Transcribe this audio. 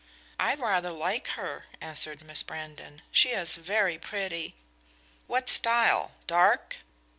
"I rather like her," answered Miss Brandon. "She is very pretty." "What style? Dark?"